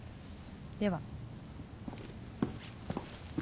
では。